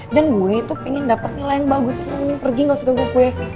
dan gue itu pengen dapet nilai yang bagus lo mau pergi gak usah ganggu gue